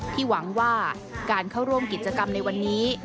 หวังว่าการเข้าร่วมกิจกรรมในวันนี้